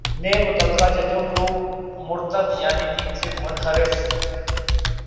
نے متعلقہ ججوں کو مرتد یعنی دین سے منحرف